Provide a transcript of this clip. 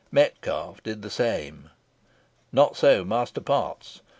Metcalfe did the same. Not so Master Potts.